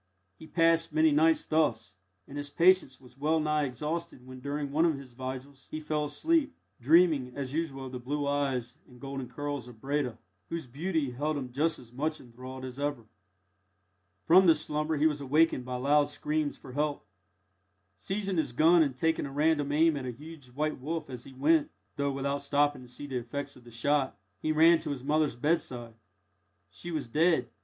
He passed many nights thus, and his patience was well nigh exhausted when, during one of the vigils, he fell asleep, dreaming as usual of the blue eyes and golden curls of Breda, whose beauty held him just as much enthralled as ever. From this slumber he was awakened by loud screams for help. Seizing his gun, and taking a random aim at a huge white wolf as he went (though without stopping to see the effects of the shot), he ran to his mother's bedside. She was dead.